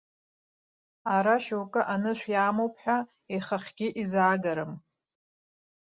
Ара шьоукы анышә иамоуп ҳәа ихахьгьы изаагарым.